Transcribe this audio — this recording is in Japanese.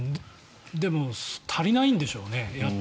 でも足りないんでしょうね。